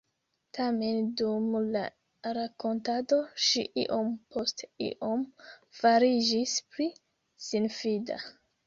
Tamen dum la rakontado ŝi iom post iom fariĝis pli sinfida.